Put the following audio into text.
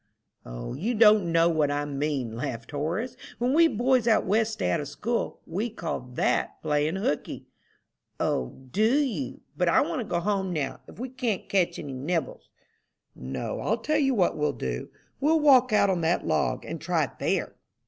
"O, you don't know what I mean," laughed Horace. "When we boys 'out west' stay out of school, we call that playing hookey." "O, do you? But I want to go home now, if we can't catch any nibbles." "No, I'll tell you what we'll do we'll walk out on that log, and try it there."